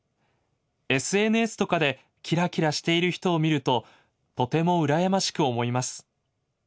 ＳＮＳとかでキラキラしている人を見るととてもうらやましく思います。